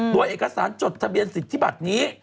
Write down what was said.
โดยเอกสารจดทะเบียนสิทธิบัตรนี้